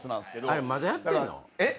あれまだやってんの？